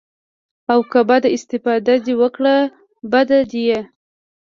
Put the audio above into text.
او که بده استفاده دې وکړه بد ديه.